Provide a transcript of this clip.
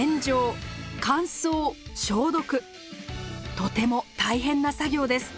とても大変な作業です。